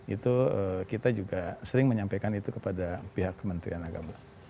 itu kita juga sering menyampaikan itu kepada pihak kementerian agama